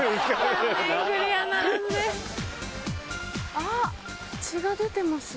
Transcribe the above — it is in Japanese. あっ血が出てます。